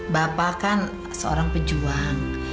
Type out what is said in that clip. bapak kan seorang pejuang